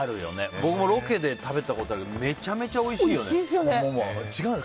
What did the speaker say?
僕もロケで食べたことあるけどめちゃめちゃおいしいよね。